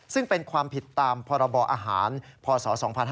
ซึ่งเป็นความผิดตามพรบอาหารพศ๒๕๕๙